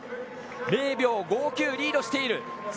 ０秒５９、リードしている。